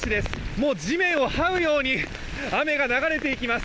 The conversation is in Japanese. もう地面をはうように雨が流れていきます。